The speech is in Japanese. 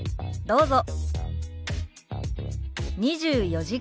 どうぞ。